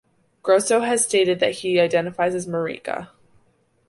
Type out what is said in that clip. Grosso has stated that he identifies as "marica".